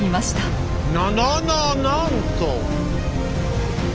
ななななんと！